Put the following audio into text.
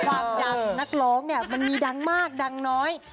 ความดังนกร้องมีดังมากดังน้อย